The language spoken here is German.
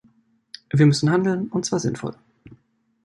Wir müssen handeln, und zwar sinnvoll.